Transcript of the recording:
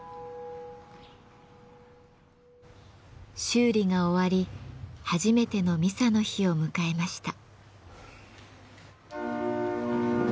修理が終わり初めてのミサの日を迎えました。